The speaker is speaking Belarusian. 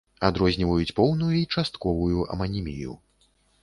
Адрозніваюць поўную і частковую аманімію.